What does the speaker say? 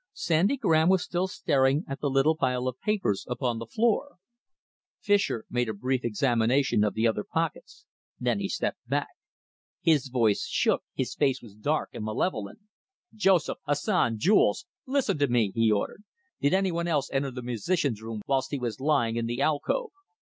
Sandy Graham was still staring at the little pile of papers upon the floor. Fischer made a brief examination of the other pockets. Then he stepped back. His voice shook, his face was dark and malevolent. "Joseph, Hassan, Jules listen to me!" he ordered. "Did any one else enter the musicians' room whilst he was lying in the alcove?"